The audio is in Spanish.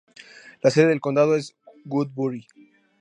La sede del condado es Woodbury.